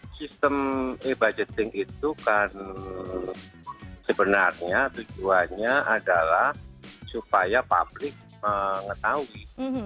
sistem e budgeting itu kan sebenarnya tujuannya adalah supaya publik mengetahui